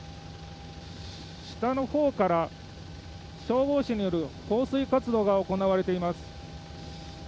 下のほうから消防士による放水活動が行われています。